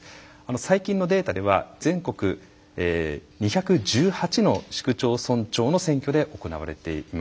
最近のデータでは全国２１８の市区町村長の選挙で行われています。